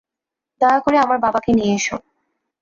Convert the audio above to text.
দয়া করে আমার বাবাকে নিয়ে আসো।